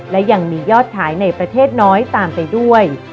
และยังมียอดขายในประเทศน้อยตามไปด้วย